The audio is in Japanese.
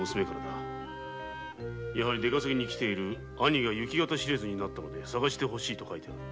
やはり出稼ぎに来ている兄が行方知れずになったので捜して欲しいと書いてある。